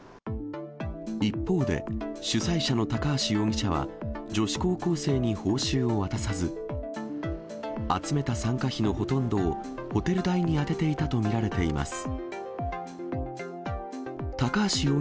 一方で、主催者の高橋容疑者は、女子高校生に報酬を渡さず、集めた参加費のほとんどをホテル代に充てていたと見られています。